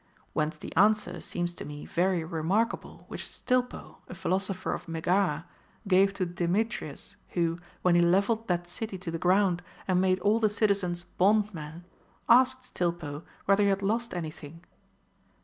Whence the answer seems to me very re markable, which Stilpo, a philosopher of Megara, gave to Demetrius, Λνΐιο, when he levelled that city to the ground and made all the citizens bondmen, asked Stilpo whether he had lost any thing.